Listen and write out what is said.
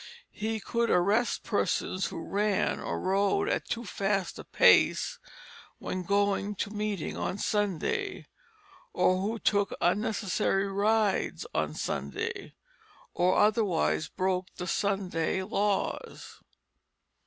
He could arrest persons who ran or rode at too fast a pace when going to meeting on Sunday, or who took unnecessary rides on Sunday, or otherwise broke the Sunday laws.